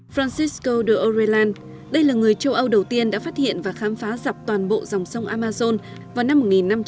francisco de orellán đây là người châu âu đầu tiên đã phát hiện và khám phá dọc toàn bộ dòng sông amazon vào năm một nghìn năm trăm bốn mươi hai